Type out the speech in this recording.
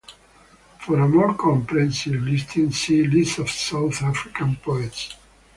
For a more comprehensive listing, see List of South African poets.